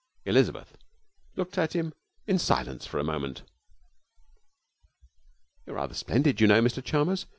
Elizabeth looked at him in silence for a moment. 'You're rather splendid, you know, Mr Chalmers.